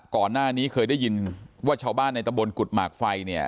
ก่อนหน้านี้เคยได้ยินว่าชาวบ้านในตะบนกุฎหมากไฟเนี่ย